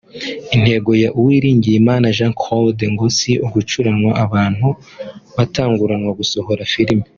Intego ya Uwiringiyimana Jean-Claude ngo si ugucuranwa abantu batanguranwa gusohora filimei